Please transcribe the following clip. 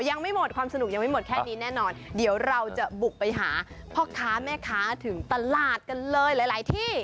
ยังไม่หมดความสนุกยังไม่หมดแค่นี้แน่นอนเดี๋ยวเราจะบุกไปหาพ่อค้าแม่ค้าถึงตลาดกันเลยหลายที่